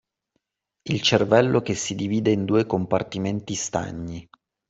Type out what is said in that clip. Il cervello che si divide in due compartimenti stagni.